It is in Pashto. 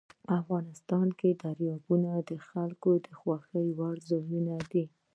افغانستان کې دریابونه د خلکو د خوښې وړ ځای دی.